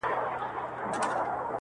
• هامان وویل زما سر ته دي امان وي -